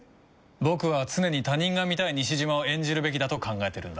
僕は常に他人が見たい西島を演じるべきだと考えてるんだ。